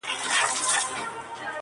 چي اې زویه اې زما د سترګو توره.!